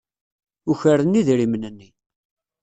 Ukren idrimen-nni.